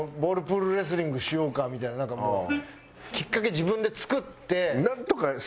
プールレスリングしようかみたいななんかきっかけ自分で作って。